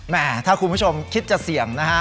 ถ้าคุณผู้ชมคิดจะเสี่ยงนะฮะ